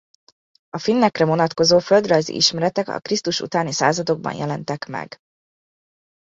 A finnekre vonatkozó földrajzi ismeretek a Krisztus utáni századokban jelentek meg.